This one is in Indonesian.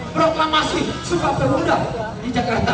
proklamasi sempat berudah di jakarta